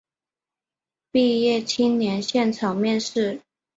毕业青年现场面试